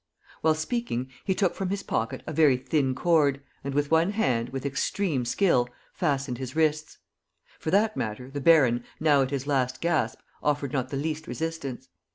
While speaking he took from his pocket a very thin cord and, with one hand, with extreme skill, fastened his wrists. For that matter, the baron, now at his last gasp, offered not the least resistance.